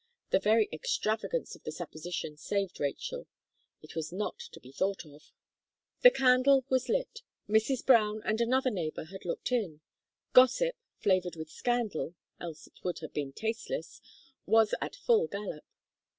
The very extravagance of the supposition saved Rachel It was not to be thought of. The candle was lit. Mrs. Brown and another neighbour had looked in. Gossip, flavoured with scandal else it would have been tasteless was at full galop.